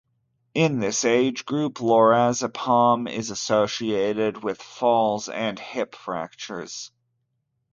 In this age group lorazepam is associated with falls and hip fractures.